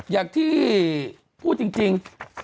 อย่างที่พูดจริง